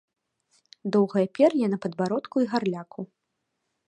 Доўгае пер'е на падбародку і гарляку.